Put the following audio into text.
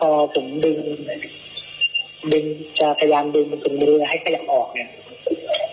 แล้วพอผมดึงดึงจะพยายามดึงตรงนี้ให้เขยับออกเนี่ย